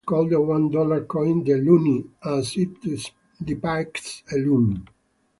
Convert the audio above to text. Canadians call the one dollar coin "the loonie" as it depicts a loon.